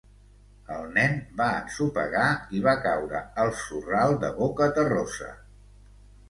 El nen va ensopegar i va caure al sorral de bocaterrosa.